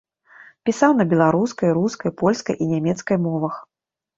Пісаў на беларускай, рускай, польскай і нямецкай мовах.